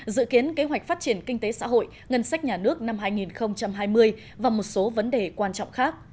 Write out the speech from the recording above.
dự kiến kế hoạch phát triển kinh tế xã hội ngân sách nhà nước năm hai nghìn hai mươi và một số vấn đề quan trọng khác